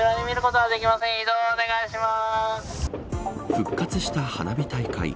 復活した花火大会。